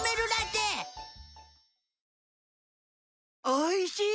おいしい！